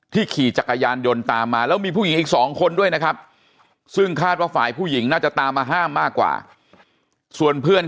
ที่ขี่จักรยานยนต์ตามมาแล้วมีผู้หญิงอีก๒คนด้วยนะครับ